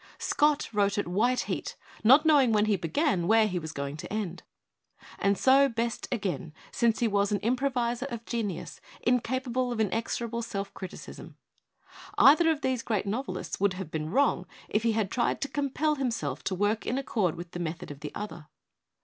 Scott wrote at white heat, not knowing when he began where he was going to end; and so best again, since he was an im proviser of genius, incapable of inexorable self criticism. Either of these great novelists would have been wrong if he had tried to compel him self to work in accord with the method of the other.